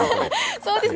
そうですね。